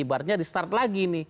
ibaratnya di start lagi nih